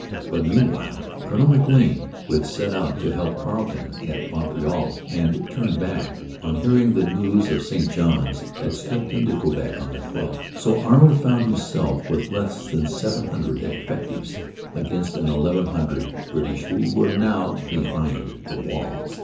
But meanwhile Colonel Maclean, who had set out to help Carleton at Montreal and turned back on hearing the news of St Johns, had slipped into Quebec on the 12th. So Arnold found himself with less than seven hundred effectives against the eleven hundred British who were now behind the walls.